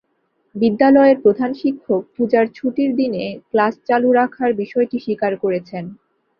বিদ্যালয়ের প্রধানশিক্ষক পূজার ছুটির দিনে ক্লাস চালু রাখার বিষয়টি স্বীকার করেছেন।